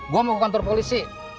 gue mau ke kantor polisi